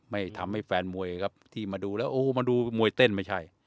ไม่ทำให้แฟนมวยครับที่มาดูแล้วโอ้มาดูมวยเต้นไม่ใช่